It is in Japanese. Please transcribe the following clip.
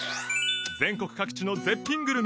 全国各地の絶品グルメや感動